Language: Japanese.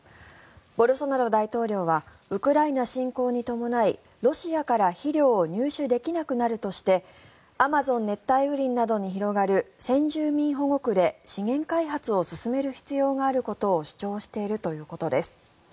ボルソナロ大統領はウクライナ侵攻に伴いロシアから肥料を入手できなくなるとしてアマゾン熱帯雨林などに広がる先住民保護区で資源開発を進める必要があることを主張しているということです。